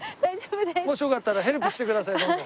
もしよかったらヘルプしてくださいどんどん。